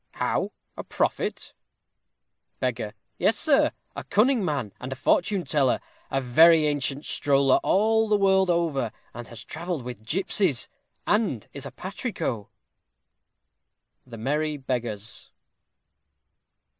_ How, a prophet? Beggar. Yes, sir; a cunning man, and a fortune teller; a very ancient stroller all the world over, and has travelled with gipsies: and is a patrico. _The Merry Beggars.